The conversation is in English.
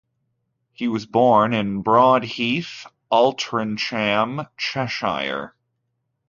He was born in Broadheath, Altrincham, Cheshire.